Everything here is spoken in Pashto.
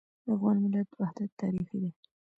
د افغان ملت وحدت تاریخي دی.